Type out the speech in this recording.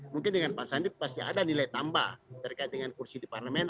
mungkin dengan pak sandi pasti ada nilai tambah terkait dengan kursi di parlemen